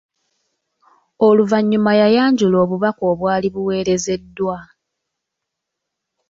Oluvanyuma yayanjula obubaka obwali buweerezeddwa.